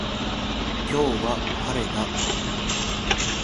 今日は晴れだ。